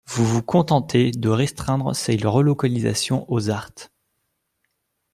Vous vous contentez de restreindre ces relocalisations aux ZART.